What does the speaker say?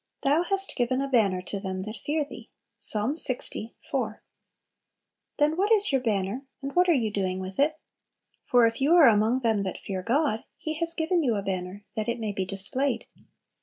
"Thou hast given a banner to them that fear Thee." Ps. lx. 4. Then what is your banner, and what are you doing with it? For if you are among "them that fear" God, He has given you a banner "that it may be displayed."